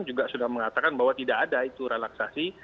juga sudah mengatakan bahwa tidak ada itu relaksasi